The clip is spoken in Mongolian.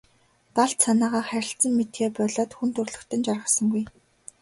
Далд санаагаа харилцан мэдэхээ болиод хүн төрөлхтөн жаргасангүй.